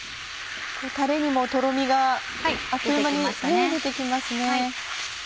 タレにもトロミがあっという間に出てきますね。